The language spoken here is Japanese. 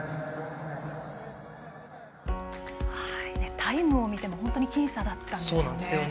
タイムを見ても本当に僅差だったんですよね。